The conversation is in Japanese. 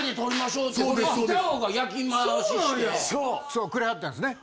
そうくれはったんですね。